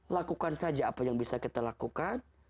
lakukan saja apa yang bisa kita lakukan